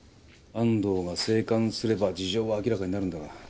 安藤が生還すれば事情は明らかになるんだが。